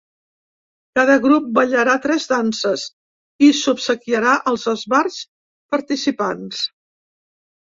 Cada grup ballarà tres danses i s’obsequiarà als esbarts participants.